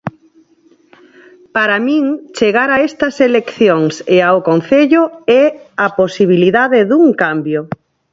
Para min chegar a estas eleccións e ao concello é a posibilidade dun cambio.